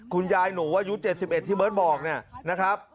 คุณยายหนูอายุ๗๑ที่เบิร์ตบอกเนี่ยนะครับ